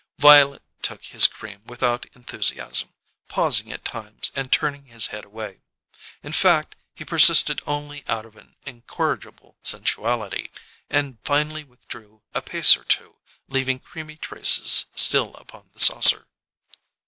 Violet took his cream without enthusiasm, pausing at times and turning his head away. In fact, he persisted only out of an incorrigible sensuality, and finally withdrew a pace or two, leaving creamy traces still upon the saucer.